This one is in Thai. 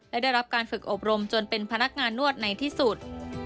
และได้รับการฝึกอบรมจนเป็นพนักงานนวดในที่สุด